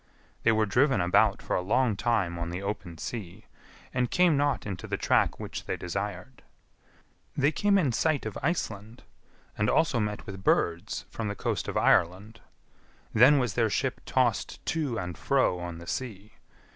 They were driven about for a long time on the open sea, and came not into the track which they desired. They came in sight of Iceland, and also met with birds from the coast of Ireland. Then was their ship tossed to and fro on the sea.